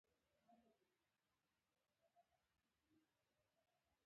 مقدار تهدیداوه.